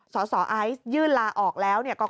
สสไอซ์ยื่นลาออกแล้ว